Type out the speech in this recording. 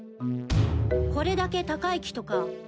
これだけ高い木とか。